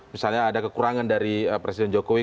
misalnya ada kekurangan dari presiden jokowi